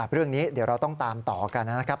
เรื่องนี้เดี๋ยวเราต้องตามต่อกันนะครับ